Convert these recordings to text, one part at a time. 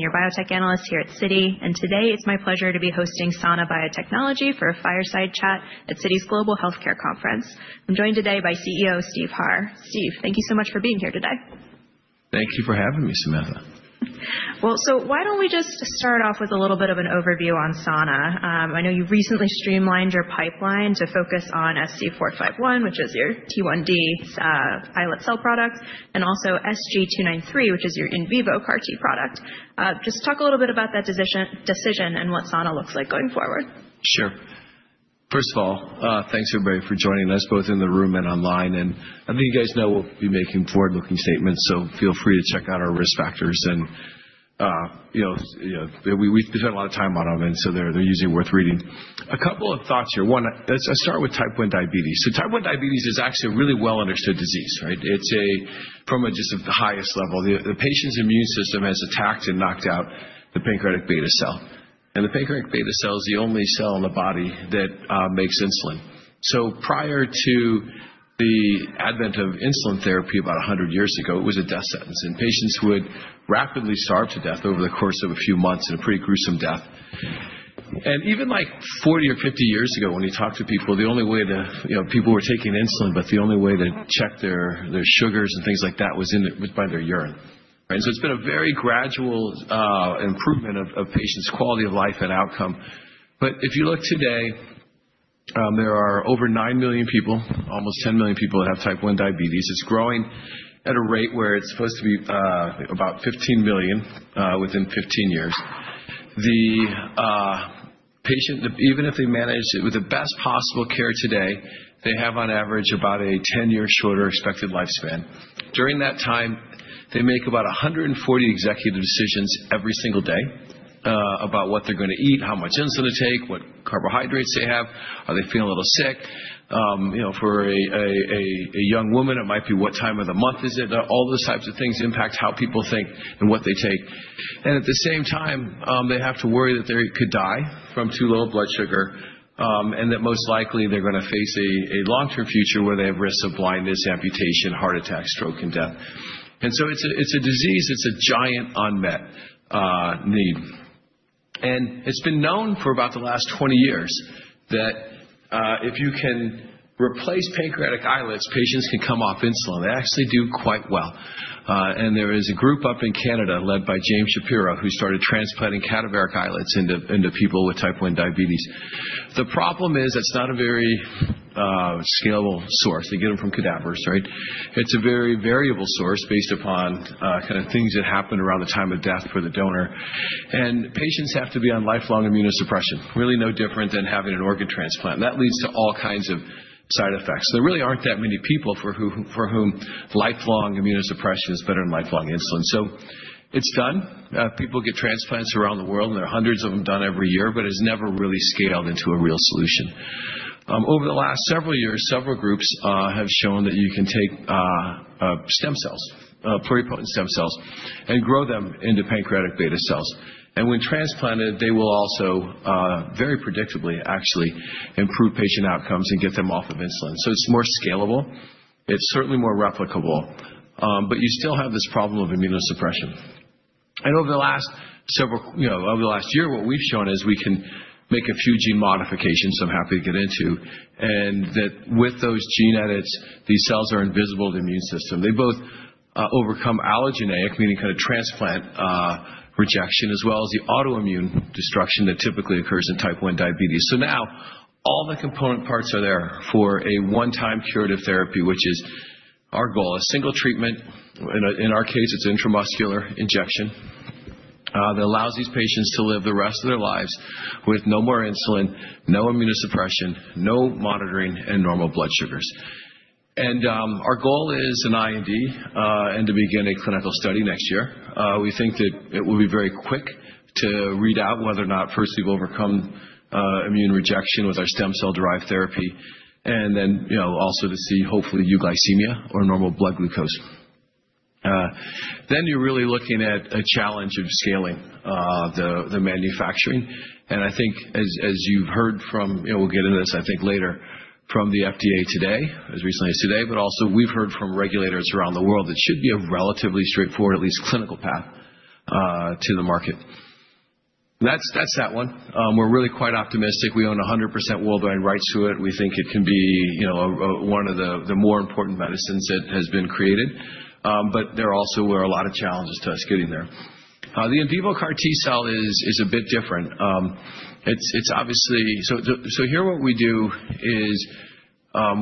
Your biotech analyst here at Citi, and today it's my pleasure to be hosting Sana Biotechnology for a fireside chat at Citi's Global Healthcare Conference. I'm joined today by CEO Steve Harr. Steve, thank you so much for being here today. Thank you for having me, Samantha. So why don't we just start off with a little bit of an overview on Sana? I know you recently streamlined your pipeline to focus on SC451, which is your T1D pilot cell product, and also SG293, which is your in vivo CAR T product. Just talk a little bit about that decision and what Sana looks like going forward. Sure. First of all, thanks everybody for joining us, both in the room and online, and I think you guys know we'll be making forward-looking statements, so feel free to check out our risk factors. And we've spent a lot of time on them, and so they're usually worth reading. A couple of thoughts here. One, let's start with type 1 diabetes, so type 1 diabetes is actually a really well-understood disease, right? It's from just the highest level. The patient's immune system has attacked and knocked out the pancreatic beta cell, and the pancreatic beta cell is the only cell in the body that makes insulin, so prior to the advent of insulin therapy about 100 years ago, it was a death sentence, and patients would rapidly starve to death over the course of a few months in a pretty gruesome death. Even like 40 or 50 years ago, when you talk to people, the only way that people were taking insulin, but the only way to check their sugars and things like that was by their urine. And so it's been a very gradual improvement of patients' quality of life and outcome. But if you look today, there are over nine million people, almost 10 million people that have type 1 diabetes. It's growing at a rate where it's supposed to be about 15 million within 15 years. The patient, even if they manage it with the best possible care today, they have on average about a 10-year shorter expected lifespan. During that time, they make about 140 executive decisions every single day about what they're going to eat, how much insulin to take, what carbohydrates they have, are they feeling a little sick. For a young woman, it might be what time of the month is it? All those types of things impact how people think and what they take. And at the same time, they have to worry that they could die from too low a blood sugar and that most likely they're going to face a long-term future where they have risks of blindness, amputation, heart attack, stroke, and death. And so it's a disease, it's a giant unmet need. And it's been known for about the last 20 years that if you can replace pancreatic islets, patients can come off insulin. They actually do quite well. And there is a group up in Canada led by James Shapiro who started transplanting cadaveric islets into people with type 1 diabetes. The problem is it's not a very scalable source. They get them from cadavers, right? It's a very variable source based upon kind of things that happened around the time of death for the donor, and patients have to be on lifelong immunosuppression, really no different than having an organ transplant. That leads to all kinds of side effects. There really aren't that many people for whom lifelong immunosuppression is better than lifelong insulin, so it's done. People get transplants around the world, and there are hundreds of them done every year, but it's never really scaled into a real solution. Over the last several years, several groups have shown that you can take stem cells, pluripotent stem cells, and grow them into pancreatic beta cells, and when transplanted, they will also very predictably actually improve patient outcomes and get them off of insulin, so it's more scalable. It's certainly more replicable, but you still have this problem of immunosuppression. Over the last year, what we've shown is we can make a few gene modifications I'm happy to get into, and that with those gene edits, these cells are invisible to the immune system. They both overcome allogeneic, meaning kind of transplant rejection, as well as the autoimmune destruction that typically occurs in type 1 diabetes, so now all the component parts are there for a one-time curative therapy, which is our goal, a single treatment. In our case, it's an intramuscular injection that allows these patients to live the rest of their lives with no more insulin, no immunosuppression, no monitoring, and normal blood sugars, and our goal is an IND and to begin a clinical study next year. We think that it will be very quick to read out whether or not first we've overcome immune rejection with our stem cell-derived therapy, and then also to see hopefully euglycemia or normal blood glucose. Then you're really looking at a challenge of scaling the manufacturing, and I think, as you've heard from, we'll get into this, I think, later from the FDA today, as recently as today, but also we've heard from regulators around the world, it should be a relatively straightforward, at least clinical path to the market. That's that one. We're really quite optimistic. We own 100% worldwide rights to it. We think it can be one of the more important medicines that has been created, but there also were a lot of challenges to us getting there. The in vivo CAR T cell is a bit different. So here what we do is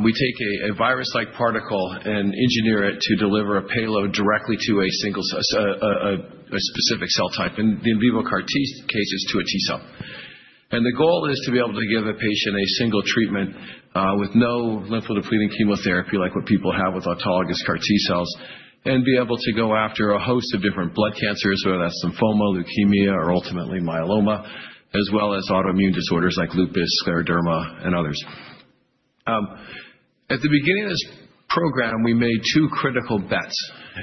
we take a virus-like particle and engineer it to deliver a payload directly to a specific cell type. In the in vivo CAR T case, it's to a T cell. And the goal is to be able to give a patient a single treatment with no lymphodepleting chemotherapy like what people have with autologous CAR T cells, and be able to go after a host of different blood cancers, whether that's lymphoma, leukemia, or ultimately myeloma, as well as autoimmune disorders like lupus, scleroderma, and others. At the beginning of this program, we made two critical bets,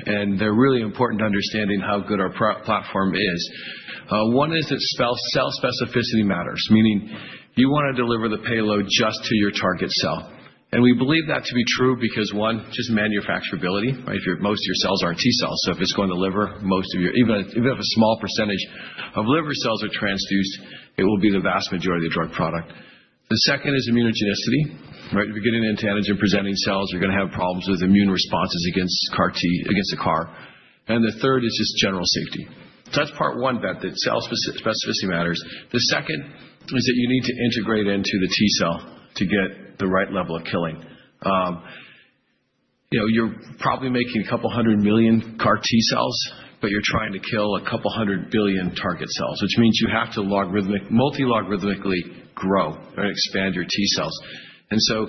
and they're really important to understanding how good our platform is. One is that cell specificity matters, meaning you want to deliver the payload just to your target cell. And we believe that to be true because, one, just manufacturability, right? Most of your cells aren't T cells, so if it's going to deliver most of your, even if a small percentage of liver cells are transduced, it will be the vast majority of the drug product. The second is immunogenicity, right? If you're getting into antigen-presenting cells, you're going to have problems with immune responses against CAR T, against the CAR. And the third is just general safety. So that's part one, that cell specificity matters. The second is that you need to integrate into the T cell to get the right level of killing. You're probably making a couple hundred million CAR T cells, but you're trying to kill a couple hundred billion target cells, which means you have to logarithmically, multi-logarithmically grow and expand your T cells. And so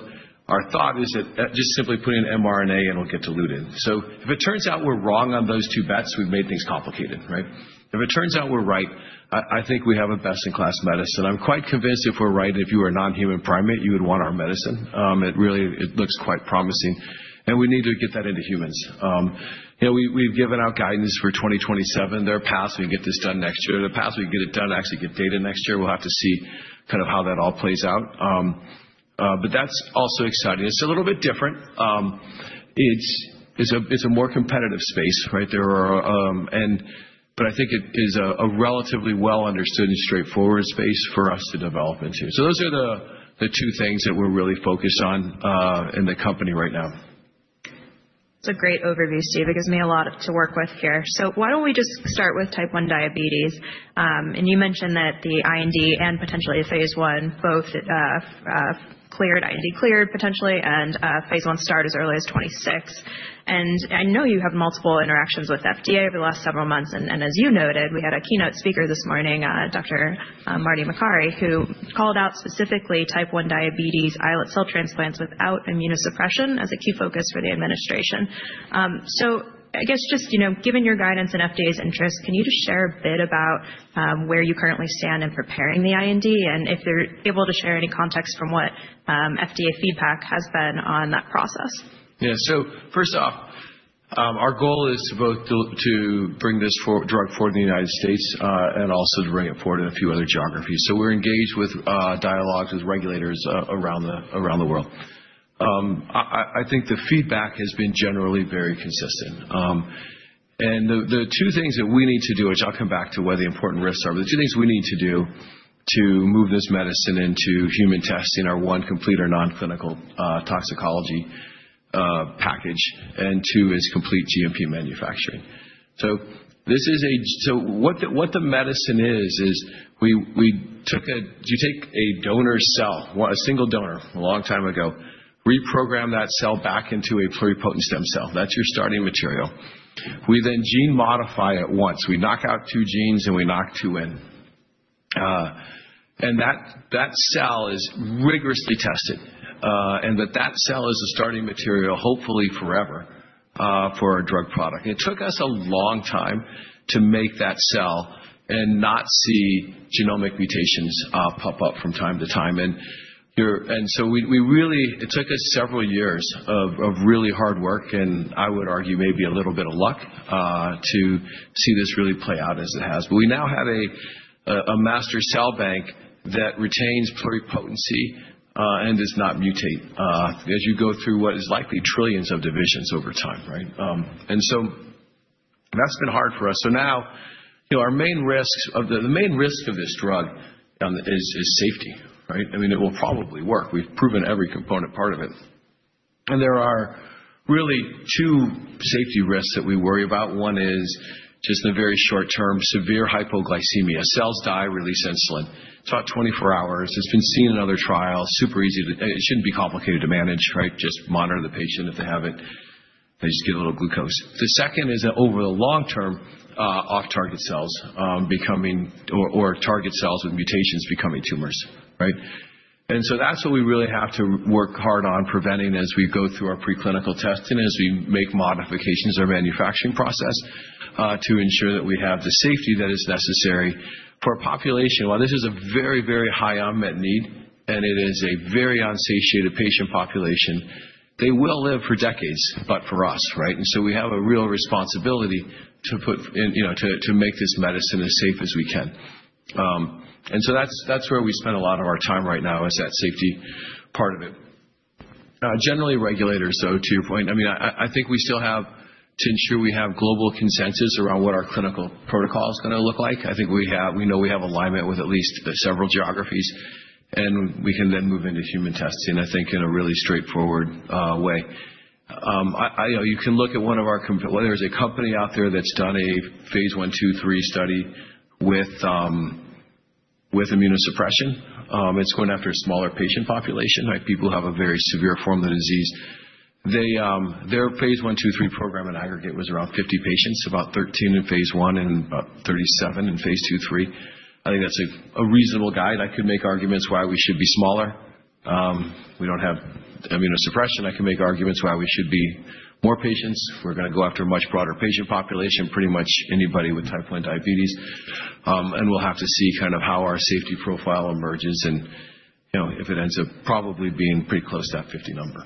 our thought is that just simply putting an mRNA, it'll get diluted. So if it turns out we're wrong on those two bets, we've made things complicated, right? If it turns out we're right, I think we have a best-in-class medicine. I'm quite convinced if we're right, and if you were a non-human primate, you would want our medicine. It really looks quite promising, and we need to get that into humans. We've given out guidance for 2027. There are paths we can get this done next year. There are paths we can get it done, actually get data next year. We'll have to see kind of how that all plays out, but that's also exciting. It's a little bit different. It's a more competitive space, right? But I think it is a relatively well-understood and straightforward space for us to develop into. So those are the two things that we're really focused on in the company right now. That's a great overview, Steve. It gives me a lot to work with here. So why don't we just start with type 1 diabetes? And you mentioned that the IND and potentially a phase I, both cleared, IND cleared potentially, and phase I start as early as 2026. And I know you have multiple interactions with FDA over the last several months. And as you noted, we had a keynote speaker this morning, Dr. Marty Makary, who called out specifically type 1 diabetes islet cell transplants without immunosuppression as a key focus for the administration. So I guess just given your guidance and FDA's interest, can you just share a bit about where you currently stand in preparing the IND? And if you're able to share any context from what FDA feedback has been on that process. Yeah. So first off, our goal is to both bring this drug forward in the United States and also to bring it forward in a few other geographies. So we're engaged with dialogues with regulators around the world. I think the feedback has been generally very consistent. And the two things that we need to do, which I'll come back to what the important risks are, but the two things we need to do to move this medicine into human testing are one, complete or non-clinical toxicology package, and two, is complete GMP manufacturing. So what the medicine is, is we take a donor cell, a single donor, a long time ago, reprogram that cell back into a pluripotent stem cell. That's your starting material. We then gene modify it once. We knock out two genes and we knock two in. And that cell is rigorously tested. That cell is a starting material, hopefully forever, for our drug product. It took us a long time to make that cell and not see genomic mutations pop up from time to time. It took us several years of really hard work, and I would argue maybe a little bit of luck to see this really play out as it has. We now have a master cell bank that retains pluripotency and does not mutate as you go through what is likely trillions of divisions over time, right? That's been hard for us. Now our main risk of this drug is safety, right? I mean, it will probably work. We've proven every component part of it. There are really two safety risks that we worry about. One is just in the very short term, severe hypoglycemia. Cells die, release insulin. It's about 24 hours. It's been seen in other trials. It shouldn't be complicated to manage, right? Just monitor the patient if they have it. They just get a little glucose. The second is over the long term, off-target cells becoming, or target cells with mutations becoming tumors, right? And so that's what we really have to work hard on preventing as we go through our preclinical testing and as we make modifications in our manufacturing process to ensure that we have the safety that is necessary for a population. While this is a very, very high unmet need, and it is a very unsatiated patient population, they will live for decades, but for us, right? And so we have a real responsibility to make this medicine as safe as we can. And so that's where we spend a lot of our time right now is that safety part of it. Generally, regulators, though, to your point, I mean, I think we still have to ensure we have global consensus around what our clinical protocol is going to look like. I think we know we have alignment with at least several geographies, and we can then move into human testing, I think, in a really straightforward way. There's a company out there that's done a phase I, II, III study with immunosuppression. It's going after a smaller patient population, right? People who have a very severe form of the disease. Their phase I, II, III program in aggregate was around 50 patients, about 13 in phase I and about 37 in phase II, III. I think that's a reasonable guide. I could make arguments why we should be smaller. We don't have immunosuppression. I can make arguments why we should be more patients. We're going to go after a much broader patient population, pretty much anybody with type 1 diabetes. And we'll have to see kind of how our safety profile emerges and if it ends up probably being pretty close to that 50 number.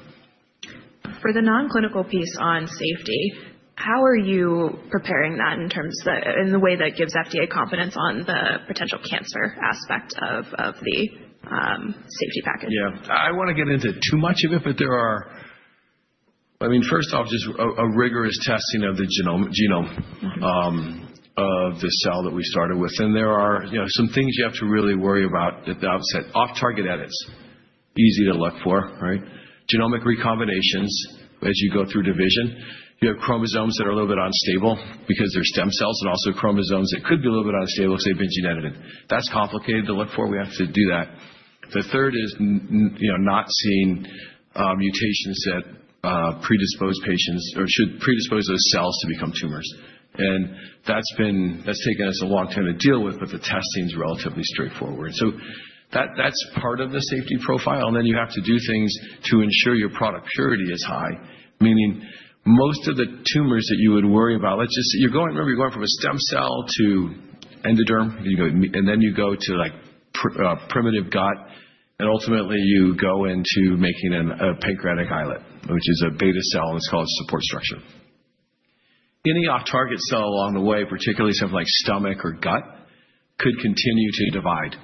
For the non-clinical piece on safety, how are you preparing that in the way that gives FDA confidence on the potential cancer aspect of the safety package? Yeah. I don't want to get into too much of it, but there are, I mean, first off, just a rigorous testing of the genome of the cell that we started with. There are some things you have to really worry about at the outset. Off-target edits, easy to look for, right? Genomic recombinations as you go through division. You have chromosomes that are a little bit unstable because they're stem cells and also chromosomes that could be a little bit unstable because they've been genetically. That's complicated to look for. We have to do that. The third is not seeing mutations that predispose patients or should predispose those cells to become tumors. That's taken us a long time to deal with, but the testing is relatively straightforward. That's part of the safety profile. Then you have to do things to ensure your product purity is high, meaning most of the tumors that you would worry about. Let's just say you're going. Remember, you're going from a stem cell to endoderm, and then you go to primitive gut, and ultimately you go into making a pancreatic islet, which is a beta cell, and it's called a support structure. Any off-target cell along the way, particularly something like stomach or gut, could continue to divide,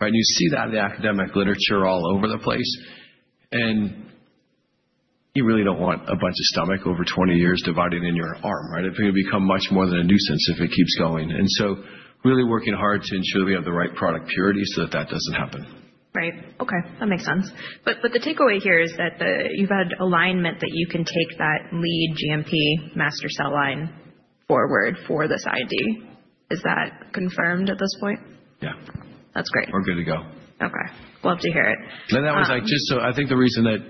right? You see that in the academic literature all over the place. You really don't want a bunch of stomach over 20 years dividing in your arm, right? It's going to become much more than a nuisance if it keeps going. Really working hard to ensure that we have the right product purity so that that doesn't happen. Right. Okay. That makes sense. But the takeaway here is that you've had alignment that you can take that lead GMP master cell bank forward for this IND. Is that confirmed at this point? Yeah. That's great. We're good to go. Okay. Love to hear it. And that was just so, I think the reason that,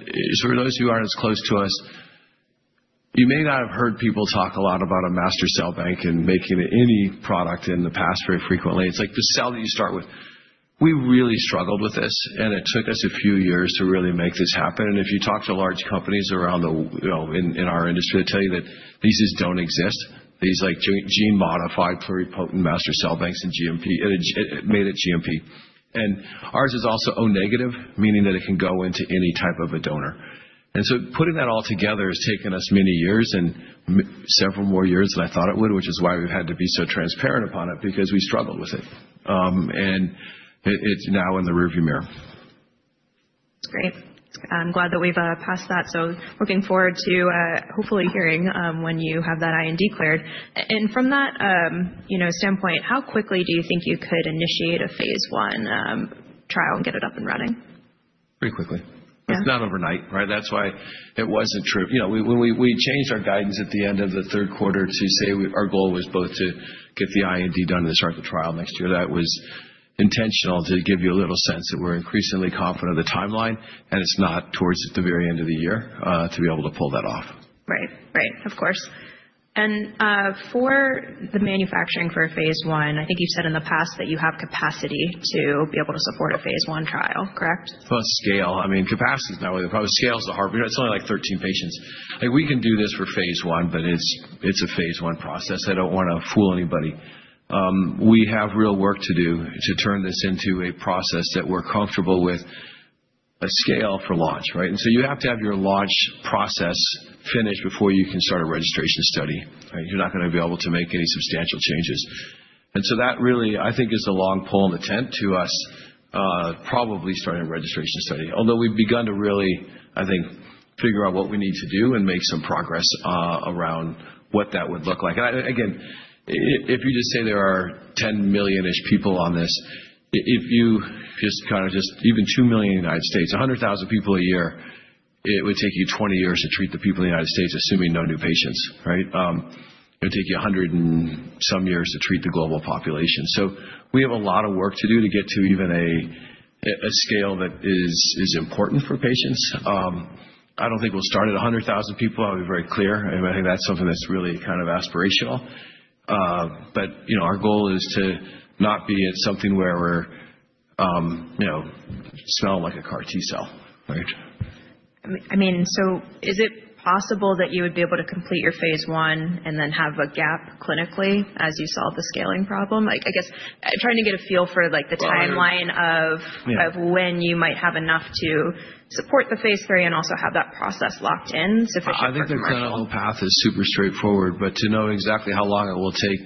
for those who aren't as close to us, you may not have heard people talk a lot about a master cell bank and making any product in the past very frequently. It's like the cell that you start with. We really struggled with this, and it took us a few years to really make this happen. And if you talk to large companies around in our industry, they'll tell you that these just don't exist. These gene-modified pluripotent master cell banks and GMP, it made it GMP. And ours is also O-, meaning that it can go into any type of a donor. And so putting that all together has taken us many years and several more years than I thought it would, which is why we've had to be so transparent upon it because we struggled with it. It's now in the rearview mirror. That's great. I'm glad that we've passed that. So looking forward to hopefully hearing when you have that IND cleared. And from that standpoint, how quickly do you think you could initiate a phase I trial and get it up and running? Pretty quickly. It's not overnight, right? That's why it wasn't true. We changed our guidance at the end of the third quarter to say our goal was both to get the IND done and to start the trial next year. That was intentional to give you a little sense that we're increasingly confident of the timeline, and it's not towards the very end of the year to be able to pull that off. Right. Right. Of course. And for the manufacturing for phase I, I think you've said in the past that you have capacity to be able to support a phase I trial, correct? Plus scale. I mean, capacity is not really the problem. Scale is the hard part. It's only like 13 patients. We can do this for phase I, but it's a phase I process. I don't want to fool anybody. We have real work to do to turn this into a process that we're comfortable with at scale for launch, right? And so you have to have your launch process finished before you can start a registration study, right? You're not going to be able to make any substantial changes. And so that really, I think, is the long pole in the tent to us probably starting a registration study. Although we've begun to really, I think, figure out what we need to do and make some progress around what that would look like. Again, if you just say there are 10 million-ish people on this, if you just kind of even 2 million in the United States, 100,000 people a year, it would take you 20 years to treat the people in the United States, assuming no new patients, right? It would take you a hundred and some years to treat the global population. So we have a lot of work to do to get to even a scale that is important for patients. I don't think we'll start at 100,000 people. I'll be very clear. I think that's something that's really kind of aspirational. But our goal is to not be at something where we're smelling like a CAR T cell, right? I mean, so is it possible that you would be able to complete your phase I and then have a gap clinically as you solve the scaling problem? I guess I'm trying to get a feel for the timeline of when you might have enough to support the phase III and also have that process locked in sufficiently. I think the clinical path is super straightforward, but to know exactly how long it will take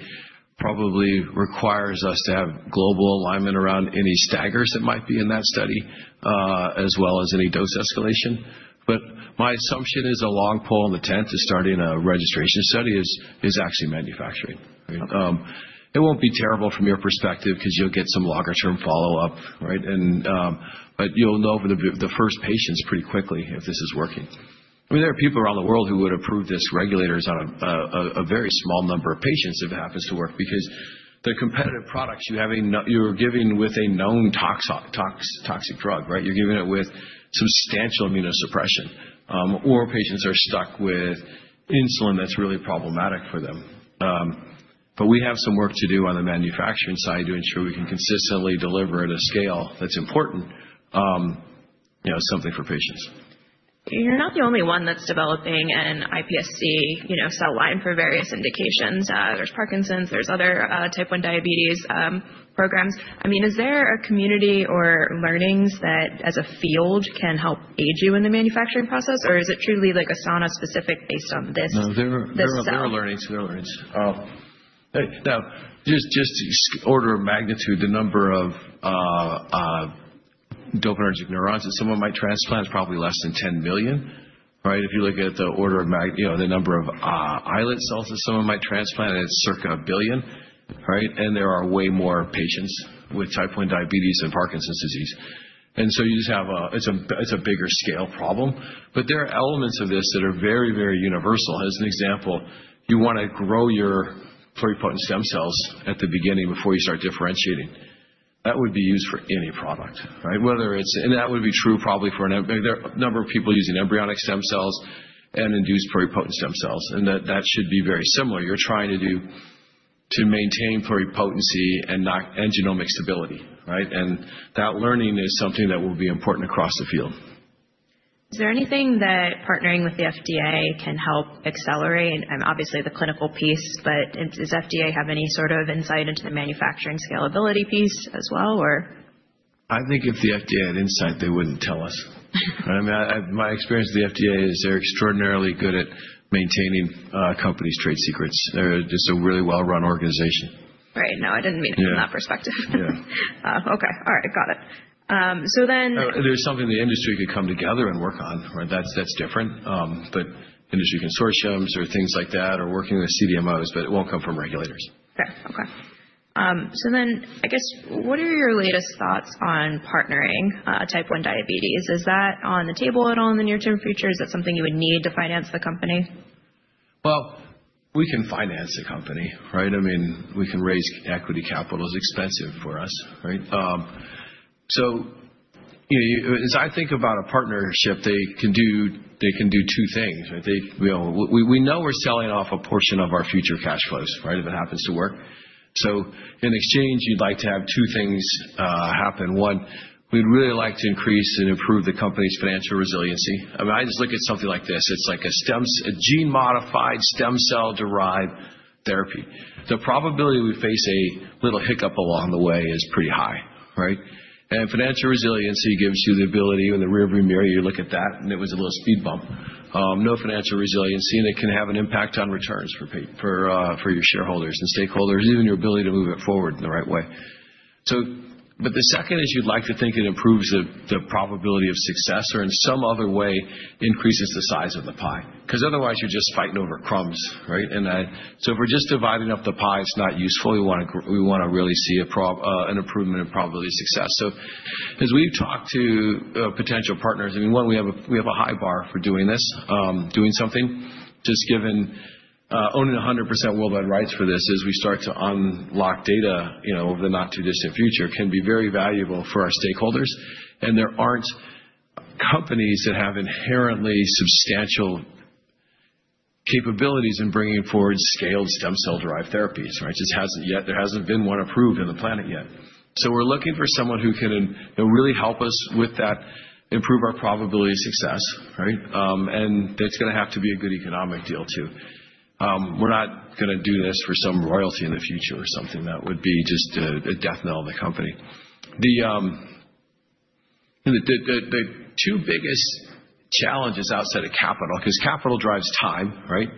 probably requires us to have global alignment around any staggers that might be in that study, as well as any dose escalation. But my assumption is the long pole in the tent to starting a registration study is actually manufacturing. It won't be terrible from your perspective because you'll get some longer-term follow-up, right? But you'll know the first patients pretty quickly if this is working. I mean, there are regulators around the world who would approve this on a very small number of patients if it happens to work because the competitive products, you are giving with a known toxic drug, right? You're giving it with substantial immunosuppression. Or patients are stuck with insulin that's really problematic for them. But we have some work to do on the manufacturing side to ensure we can consistently deliver at a scale that's important for patients. You're not the only one that's developing an iPSC cell line for various indications. There's Parkinson's, there's other type 1 diabetes programs. I mean, is there a community or learnings that as a field can help aid you in the manufacturing process, or is it truly like a Sana specific based on this? No, there are learnings. There are learnings. Now, just order of magnitude, the number of dopaminergic neurons that someone might transplant is probably less than 10 million, right? If you look at the order of the number of islet cells that someone might transplant, it's circa a billion, right? And there are way more patients with type 1 diabetes and Parkinson's disease. And so you just have a, it's a bigger scale problem. But there are elements of this that are very, very universal. As an example, you want to grow your pluripotent stem cells at the beginning before you start differentiating. That would be used for any product, right? And that would be true probably for a number of people using embryonic stem cells and induced pluripotent stem cells. And that should be very similar. You're trying to do to maintain pluripotency and genomic stability, right? That learning is something that will be important across the field. Is there anything that partnering with the FDA can help accelerate? Obviously, the clinical piece, but does FDA have any sort of insight into the manufacturing scalability piece as well, or? I think if the FDA had insight, they wouldn't tell us. I mean, my experience with the FDA is they're extraordinarily good at maintaining companies' trade secrets. They're just a really well-run organization. Right. No, I didn't mean it from that perspective. Yeah. Okay. All right. Got it. So then. There's something the industry could come together and work on, right? That's different. But industry consortiums or things like that are working with CDMOs, but it won't come from regulators. So then, I guess, what are your latest thoughts on partnering Type 1 diabetes? Is that on the table at all in the near-term future? Is that something you would need to finance the company? We can finance a company, right? I mean, we can raise equity capital. It's expensive for us, right? As I think about a partnership, they can do two things, right? We know we're selling off a portion of our future cash flows, right? If it happens to work. In exchange, you'd like to have two things happen. One, we'd really like to increase and improve the company's financial resiliency. I mean, I just look at something like this. It's like a gene-modified stem cell-derived therapy. The probability we face a little hiccup along the way is pretty high, right? Financial resiliency gives you the ability in the rearview mirror. You look at that, and it was a little speed bump. No financial resiliency, and it can have an impact on returns for your shareholders and stakeholders, even your ability to move it forward in the right way. But the second is you'd like to think it improves the probability of success or in some other way increases the size of the pie. Because otherwise, you're just fighting over crumbs, right? And so if we're just dividing up the pie, it's not useful. We want to really see an improvement in probability of success. So, as we've talked to potential partners, I mean, one, we have a high bar for doing this, doing something. Just given owning 100% worldwide rights for this as we start to unlock data over the not too distant future can be very valuable for our stakeholders. And there aren't companies that have inherently substantial capabilities in bringing forward scaled stem cell-derived therapies, right? There hasn't been one approved on the planet yet. So we're looking for someone who can really help us with that, improve our probability of success, right? And that's going to have to be a good economic deal too. We're not going to do this for some royalty in the future or something that would be just a death knell on the company. The two biggest challenges outside of capital, because capital drives time, right,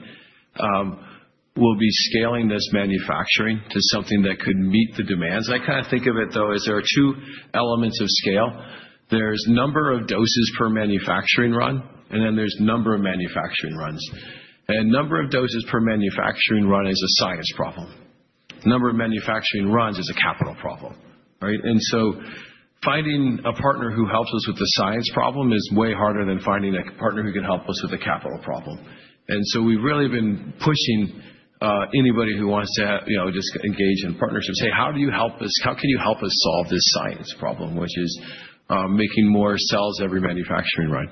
will be scaling this manufacturing to something that could meet the demands. I kind of think of it, though, as there are two elements of scale. There's number of doses per manufacturing run, and then there's number of manufacturing runs. And number of doses per manufacturing run is a science problem. Number of manufacturing runs is a capital problem, right? And so finding a partner who helps us with the science problem is way harder than finding a partner who can help us with the capital problem. And so we've really been pushing anybody who wants to just engage in partnerships, say, "How do you help us? How can you help us solve this science problem, which is making more cells every manufacturing run?"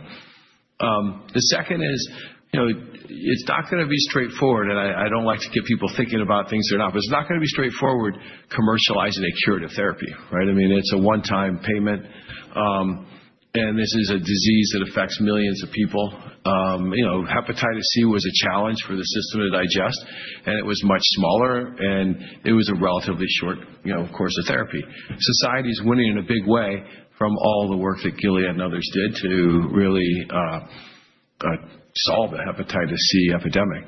The second is it's not going to be straightforward, and I don't like to get people thinking about things they're not, but it's not going to be straightforward commercializing a curative therapy, right? I mean, it's a one-time payment, and this is a disease that affects millions of people. Hepatitis C was a challenge for the system to digest, and it was much smaller, and it was a relatively short course of therapy. Society's winning in a big way from all the work that Gilead and others did to really solve the hepatitis C epidemic,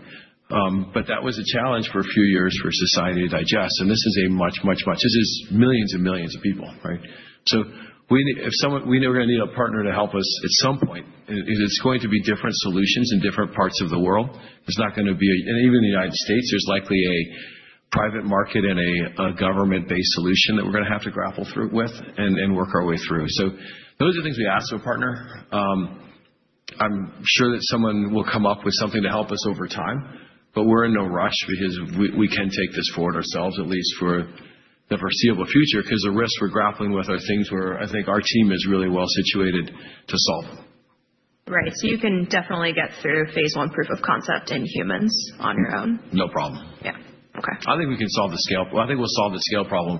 but that was a challenge for a few years for society to digest, and this is millions and millions of people, right? So we know we're going to need a partner to help us at some point. It's going to be different solutions in different parts of the world. It's not going to be, and even in the United States, there's likely a private market and a government-based solution that we're going to have to grapple with and work our way through. So those are the things we ask of a partner. I'm sure that someone will come up with something to help us over time, but we're in no rush because we can take this forward ourselves at least for the foreseeable future because the risks we're grappling with are things where I think our team is really well situated to solve. Right. So you can definitely get through phase I proof of concept in humans on your own? No problem. Yeah. Okay. I think we can solve the scale. I think we'll solve the scale problem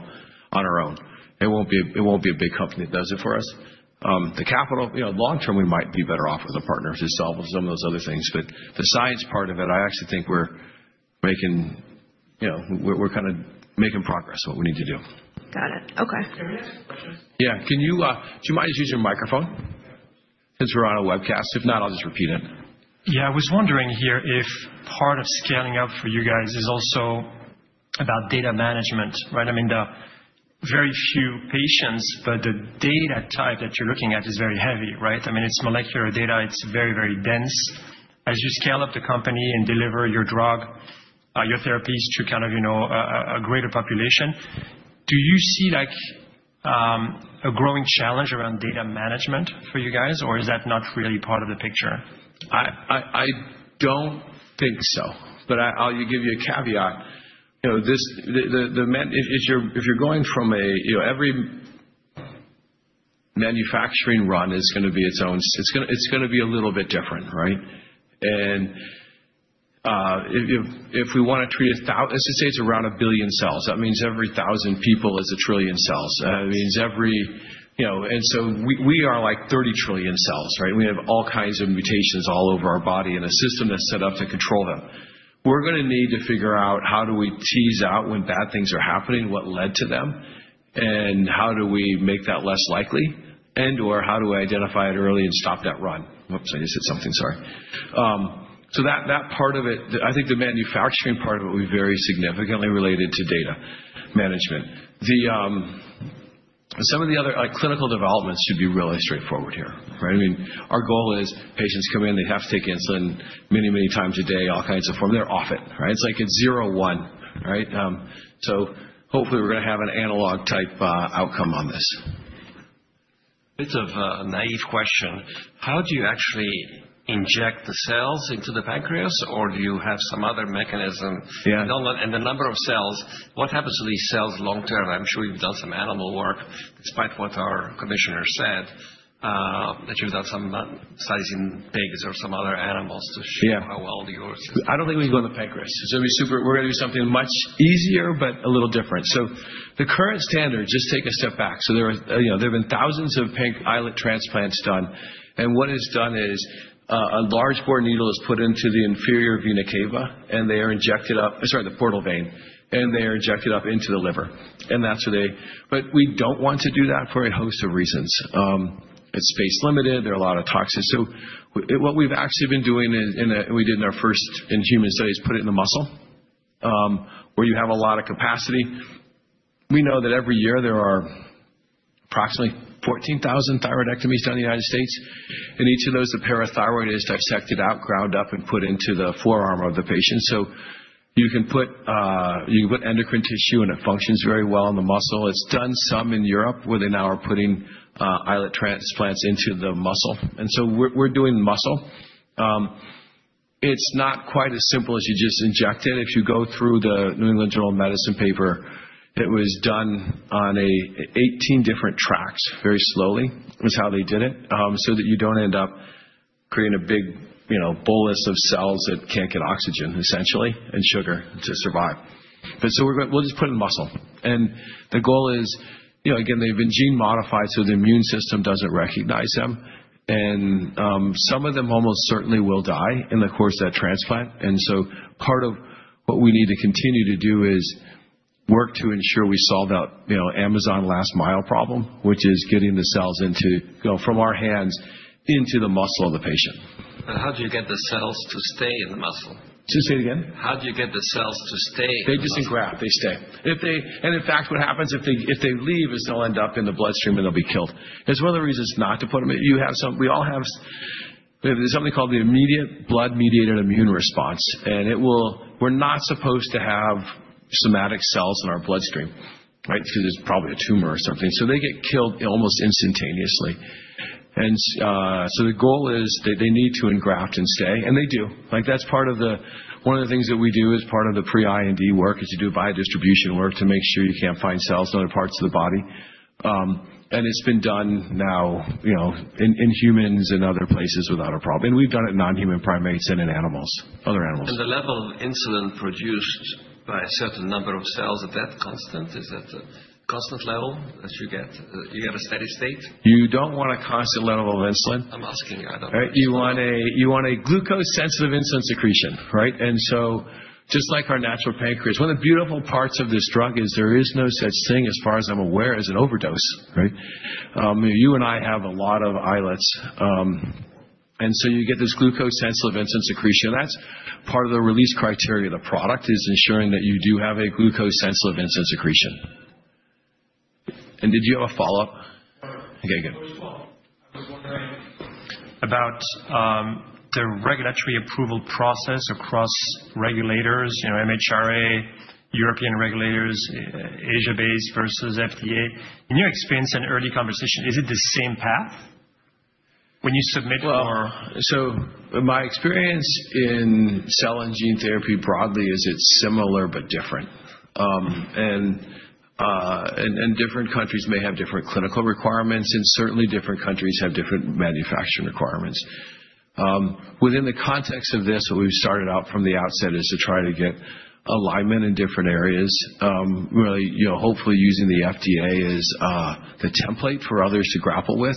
on our own. It won't be a big company that does it for us. The capital, long term, we might be better off with a partner to solve some of those other things. But the science part of it, I actually think we're making progress in what we need to do. Got it. Okay. [Can we ask a question?] Yeah. Would you mind just using your microphone? Since we're on a webcast. If not, I'll just repeat it. Yeah. I was wondering here if part of scaling up for you guys is also about data management, right? I mean, very few patients, but the data type that you're looking at is very heavy, right? I mean, it's molecular data. It's very, very dense. As you scale up the company and deliver your drug, your therapies to kind of a greater population, do you see a growing challenge around data management for you guys, or is that not really part of the picture? I don't think so. But I'll give you a caveat. If you're going from a every manufacturing run is going to be its own, it's going to be a little bit different, right? And if we want to treat a thousand, let's just say it's around a billion cells. That means every thousand people is a trillion cells. That means every, and so we are like 30 trillion cells, right? We have all kinds of mutations all over our body and a system that's set up to control them. We're going to need to figure out how do we tease out when bad things are happening, what led to them, and how do we make that less likely, and/or how do we identify it early and stop that run. Whoops, I just said something. Sorry. So that part of it, I think the manufacturing part of it will be very significantly related to data management. Some of the other clinical developments should be really straightforward here, right? I mean, our goal is patients come in, they have to take insulin many, many times a day, all kinds of forms. They're off it, right? It's like a zero-one, right? So hopefully we're going to have an analog-type outcome on this. It's a naive question. How do you actually inject the cells into the pancreas, or do you have some other mechanism? And the number of cells, what happens to these cells long-term? I'm sure you've done some animal work, despite what our commissioner said, that you've done some studies in pigs or some other animals to show how well yours. I don't think we can go in the pancreas. So we're going to do something much easier, but a little different. So the current standard, just take a step back. So there have been thousands of islet transplants done. And what is done is a large bore needle is put into the inferior vena cava, and they are injected up, sorry, the portal vein, and they are injected up into the liver. And that's where they, but we don't want to do that for a host of reasons. It's space-limited. There are a lot of toxins. So what we've actually been doing, and we did in our first-in-human studies, put it in the muscle, where you have a lot of capacity. We know that every year there are approximately 14,000 thyroidectomies done in the United States. And each of those, the parathyroid is dissected out, ground up, and put into the forearm of the patient. So you can put endocrine tissue, and it functions very well in the muscle. It's done some in Europe, where they now are putting islet transplants into the muscle. And so we're doing muscle. It's not quite as simple as you just inject it. If you go through the New England Journal of Medicine paper, it was done on 18 different tracks, very slowly, is how they did it, so that you don't end up creating a big bolus of cells that can't get oxygen, essentially, and sugar to survive. But so we'll just put it in the muscle. And the goal is, again, they've been gene-modified, so the immune system doesn't recognize them. And some of them almost certainly will die in the course of that transplant. And so part of what we need to continue to do is work to ensure we solve that Amazon last-mile problem, which is getting the cells from our hands into the muscle of the patient. How do you get the cells to stay in the muscle? Just say it again. How do you get the cells to stay in the muscle? They just engraft. They stay. And in fact, what happens if they leave is they'll end up in the bloodstream and they'll be killed. That's one of the reasons not to put them in. We all have something called the immediate blood-mediated immune response. And we're not supposed to have somatic cells in our bloodstream, right? Because there's probably a tumor or something. So they get killed almost instantaneously. And so the goal is they need to engraft and stay. And they do. That's part of the, one of the things that we do as part of the pre-IND work is to do biodistribution work to make sure you can't find cells in other parts of the body. And it's been done now in humans and other places without a problem. And we've done it in non-human primates and in animals, other animals. The level of insulin produced by a certain number of cells at that constant, is that a constant level that you get? You get a steady state? You don't want a constant level of insulin. I'm asking you. I don't know. You want a glucose-sensitive insulin secretion, right? And so just like our natural pancreas, one of the beautiful parts of this drug is there is no such thing, as far as I'm aware, as an overdose, right? You and I have a lot of islets. And so you get this glucose-sensitive insulin secretion. That's part of the release criteria of the product, is ensuring that you do have a glucose-sensitive insulin secretion. And did you have a follow-up? No. Okay. Good. I was wondering about the regulatory approval process across regulators, MHRA, European regulators, Asia-based versus FDA. In your experience and early conversation, is it the same path when you submit for? My experience in cell and gene therapy broadly is it's similar, but different. Different countries may have different clinical requirements, and certainly different countries have different manufacturing requirements. Within the context of this, what we've started out from the outset is to try to get alignment in different areas, really, hopefully using the FDA as the template for others to grapple with,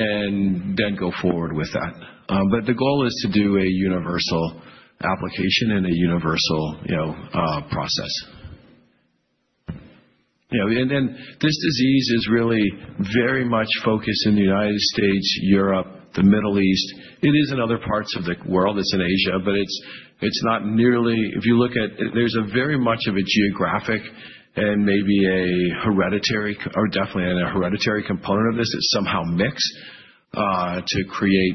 and then go forward with that. The goal is to do a universal application and a universal process. This disease is really very much focused in the United States, Europe, the Middle East. It is in other parts of the world. It's in Asia, but it's not nearly, if you look at, there's very much of a geographic and maybe a hereditary, or definitely a hereditary component of this. It's somehow mixed to create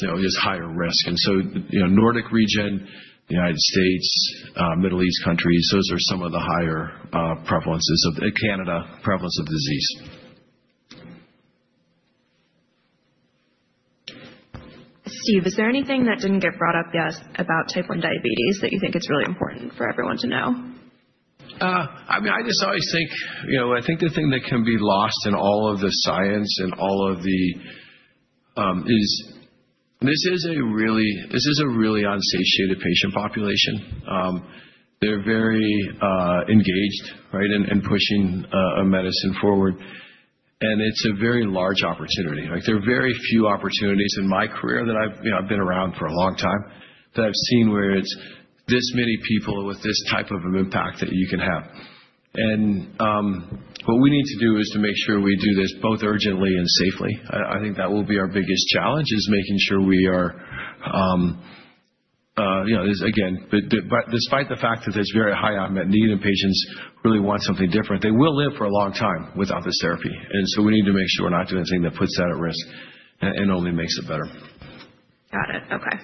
this higher risk. And so, the Nordic region, the United States, Middle East countries, and Canada, those are some of the higher prevalence of the disease. Steve, is there anything that didn't get brought up yet about Type 1 diabetes that you think it's really important for everyone to know? I mean, I just always think, I think the thing that can be lost in all of the science and all of the, is this is a really unsatisfied patient population. They're very engaged, right, in pushing a medicine forward. And it's a very large opportunity. There are very few opportunities in my career that I've been around for a long time that I've seen where it's this many people with this type of an impact that you can have. And what we need to do is to make sure we do this both urgently and safely. I think that will be our biggest challenge, is making sure we are, again, despite the fact that there's very high need in patients who really want something different, they will live for a long time without this therapy. And so we need to make sure we're not doing anything that puts that at risk and only makes it better. Got it. Okay.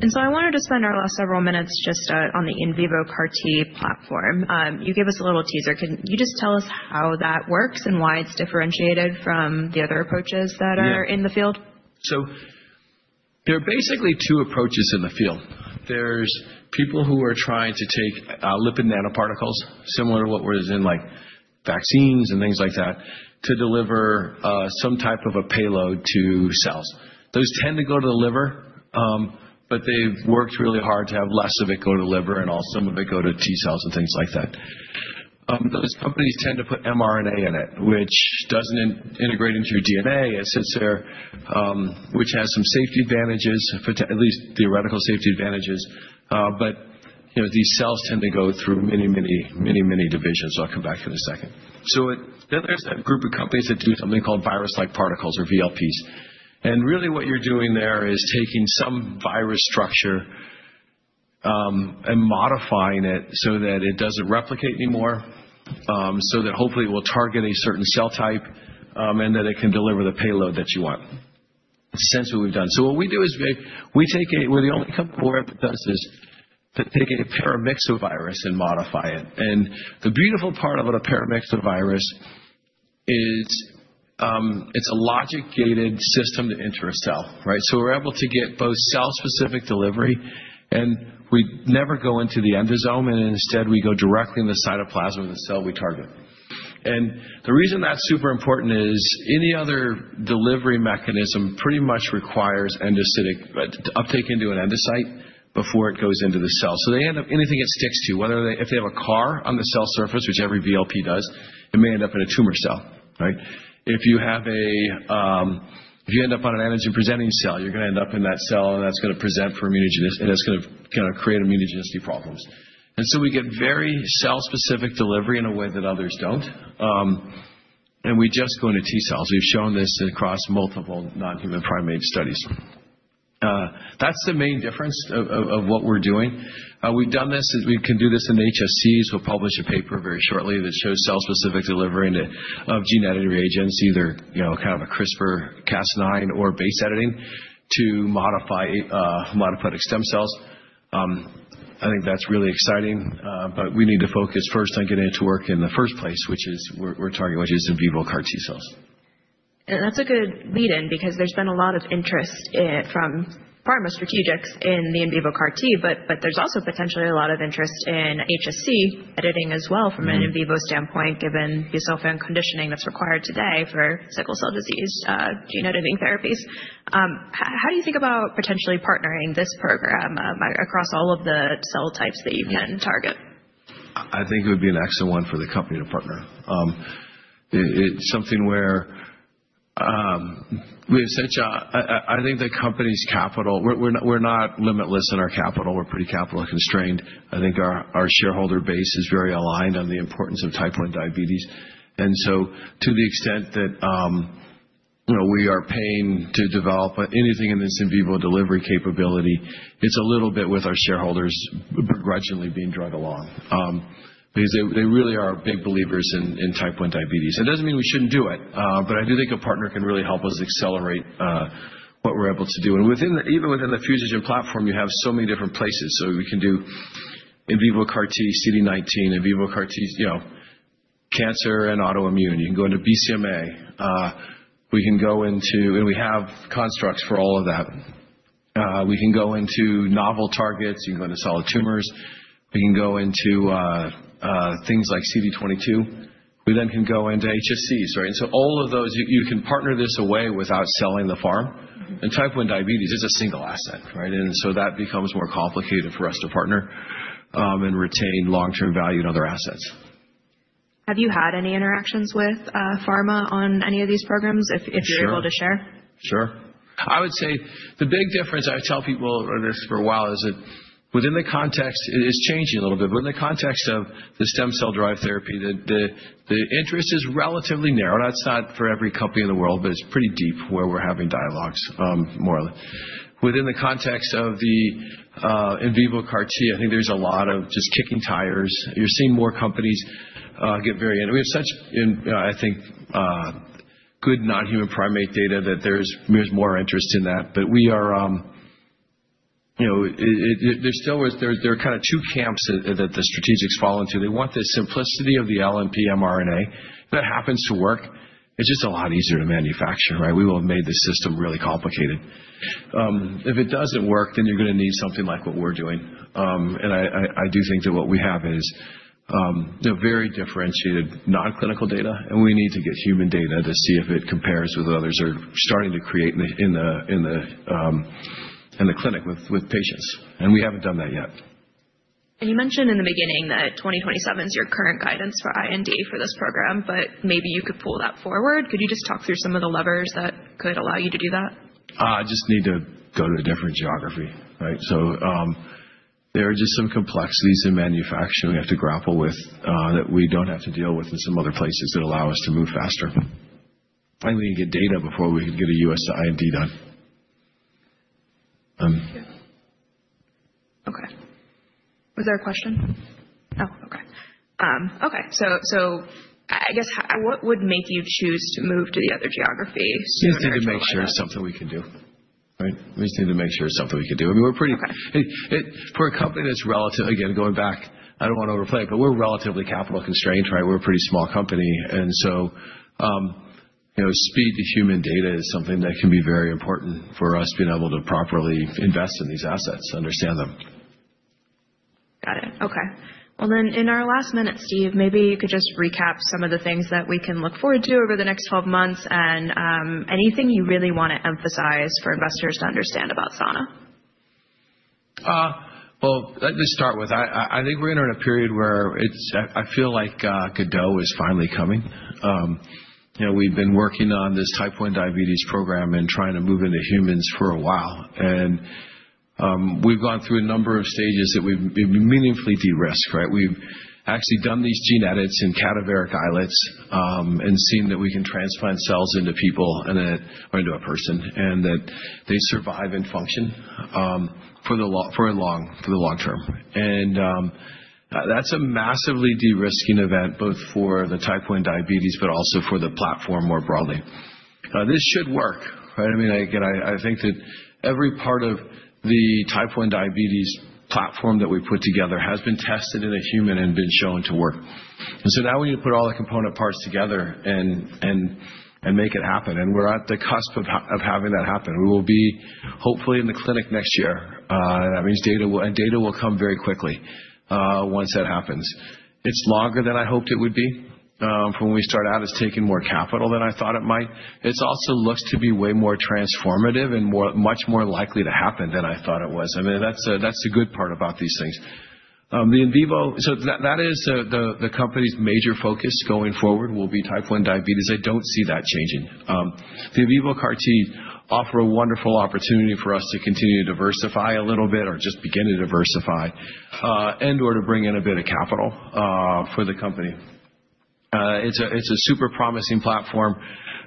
And so I wanted to spend our last several minutes just on the in vivo CAR T platform. You gave us a little teaser. Can you just tell us how that works and why it's differentiated from the other approaches that are in the field? So there are basically two approaches in the field. There's people who are trying to take lipid nanoparticles, similar to what was in vaccines and things like that, to deliver some type of a payload to cells. Those tend to go to the liver, but they've worked really hard to have less of it go to the liver and some of it go to T cells and things like that. Those companies tend to put mRNA in it, which doesn't integrate into your DNA, which has some safety advantages, at least theoretical safety advantages. But these cells tend to go through many, many, many, many divisions. I'll come back to it in a second. So then there's a group of companies that do something called virus-like particles or VLPs. And really what you're doing there is taking some virus structure and modifying it so that it doesn't replicate anymore, so that hopefully it will target a certain cell type and that it can deliver the payload that you want. Essentially what we've done. So what we do is we take a, we're the only company that does this, to take a paramyxovirus and modify it. And the beautiful part of a paramyxovirus is it's a logic-gated system to enter a cell, right? So we're able to get both cell-specific delivery, and we never go into the endosome, and instead we go directly in the cytoplasm of the cell we target. And the reason that's super important is any other delivery mechanism pretty much requires endocytic uptake into an endosome before it goes into the cell. So they end up, anything it sticks to, whether if they have a CAR on the cell surface, which every VLP does, it may end up in a tumor cell, right? If you end up on an antigen-presenting cell, you're going to end up in that cell, and that's going to present for immunogenicity, and it's going to create immunogenicity problems. And so we get very cell-specific delivery in a way that others don't. And we just go into T cells. We've shown this across multiple non-human primate studies. That's the main difference of what we're doing. We've done this, we can do this in HSCs. We'll publish a paper very shortly that shows cell-specific delivery of gene-editor agents, either kind of a CRISPR-Cas9 or base editing to modify modified stem cells. I think that's really exciting, but we need to focus first on getting it to work in the first place, which is we're targeting, which is in vivo CAR T cells. And that's a good lead-in because there's been a lot of interest from pharma strategics in the in vivo CAR T, but there's also potentially a lot of interest in HSC editing as well from an in vivo standpoint, given the conditioning that's required today for sickle cell disease gene-editing therapies. How do you think about potentially partnering this program across all of the cell types that you can target? I think it would be an excellent one for the company to partner. It's something where we essentially, I think the company's capital, we're not limitless in our capital. We're pretty capital constrained. I think our shareholder base is very aligned on the importance of type 1 diabetes. And so to the extent that we are paying to develop anything in this in vivo delivery capability, it's a little bit with our shareholders begrudgingly being dragged along because they really are big believers in type 1 diabetes. It doesn't mean we shouldn't do it, but I do think a partner can really help us accelerate what we're able to do. And even within the fusogen platform, you have so many different places. So we can do in vivo CAR T, CD19, in vivo CAR T, cancer and autoimmune. You can go into BCMA. We can go into, and we have constructs for all of that. We can go into novel targets. You can go into solid tumors. We can go into things like CD22. We then can go into HSCs, right? And so all of those, you can partner this away without selling the farm. And type 1 diabetes, it's a single asset, right? And so that becomes more complicated for us to partner and retain long-term value in other assets. Have you had any interactions with pharma on any of these programs, if you're able to share? Sure. I would say the big difference, I would tell people this for a while, is that within the context, it's changing a little bit. But in the context of the stem cell-derived therapy, the interest is relatively narrow. That's not for every company in the world, but it's pretty deep where we're having dialogues, more or less. Within the context of the in vivo CAR T, I think there's a lot of just kicking tires. You're seeing more companies get very in. We have such, I think, good non-human primate data that there's more interest in that. But we are, there's still, there are kind of two camps that the strategics fall into. They want the simplicity of the LNP mRNA that happens to work. It's just a lot easier to manufacture, right? We will have made the system really complicated. If it doesn't work, then you're going to need something like what we're doing, and I do think that what we have is very differentiated non-clinical data, and we need to get human data to see if it compares with others or starting to create in the clinic with patients, and we haven't done that yet. And you mentioned in the beginning that 2027 is your current guidance for IND for this program, but maybe you could pull that forward. Could you just talk through some of the levers that could allow you to do that? I just need to go to a different geography, right? So there are just some complexities in manufacturing we have to grapple with that we don't have to deal with in some other places that allow us to move faster. And we can get data before we can get a U.S. IND done. Okay. Was there a question? Oh, okay. Okay. So I guess what would make you choose to move to the other geography? We just need to make sure it's something we can do, right? I mean, we're pretty, for a company that's relatively, again, going back, I don't want to overplay it, but we're relatively capital constrained, right? We're a pretty small company, and so speed to human data is something that can be very important for us being able to properly invest in these assets, understand them. Got it. Okay. Well, then in our last minute, Steve, maybe you could just recap some of the things that we can look forward to over the next 12 months and anything you really want to emphasize for investors to understand about Sana. Let me start with, I think we're entering a period where I feel like Godot is finally coming. We've been working on this type 1 diabetes program and trying to move into humans for a while. And we've gone through a number of stages that we've meaningfully de-risked, right? We've actually done these gene edits in cadaveric islets and seen that we can transplant cells into people or into a person and that they survive and function for the long term. And that's a massively de-risking event, both for the type 1 diabetes, but also for the platform more broadly. This should work, right? I mean, again, I think that every part of the type 1 diabetes platform that we put together has been tested in a human and been shown to work. And so now we need to put all the component parts together and make it happen. We're at the cusp of having that happen. We will be, hopefully, in the clinic next year. That means data will, and data will come very quickly once that happens. It's longer than I hoped it would be from when we started out. It's taken more capital than I thought it might. It also looks to be way more transformative and much more likely to happen than I thought it was. I mean, that's the good part about these things. The in vivo, so that is the company's major focus going forward, will be type 1 diabetes. I don't see that changing. The in vivo CAR T offer a wonderful opportunity for us to continue to diversify a little bit or just begin to diversify and/or to bring in a bit of capital for the company. It's a super promising platform.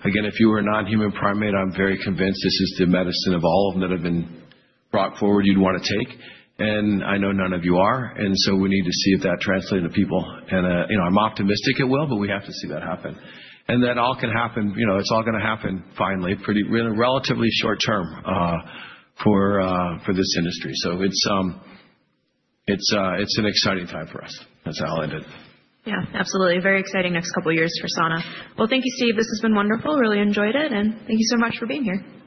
Again, if you were a non-human primate, I'm very convinced this is the medicine of all of them that have been brought forward you'd want to take. And I know none of you are. And so we need to see if that translates to people. And I'm optimistic it will, but we have to see that happen. And that all can happen, it's all going to happen finally, pretty relatively short term for this industry. So it's an exciting time for us. That's how I'll end it. Yeah, absolutely. Very exciting next couple of years for Sana. Well, thank you, Steve. This has been wonderful. Really enjoyed it. And thank you so much for being here. Thanks.